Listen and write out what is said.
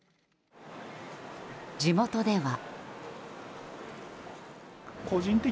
地元では。